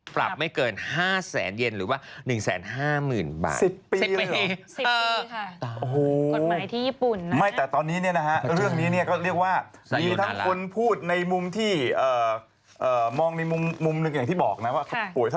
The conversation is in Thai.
ปรับไม่เกิน๕แสนเย็นหรือว่า๑แสนห้าหมื่นบาท